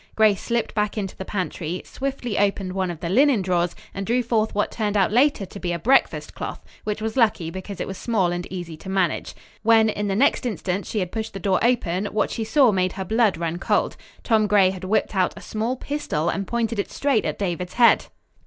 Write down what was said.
Grace slipped back into the pantry, swiftly opened one of the linen drawers and drew forth what turned out later to be a breakfast cloth, which was lucky because it was small and easy to manage. When, in the next instant, she had pushed the door open, what she saw made her blood run cold. Tom Gray had whipped out a small pistol and pointed it straight at David's head.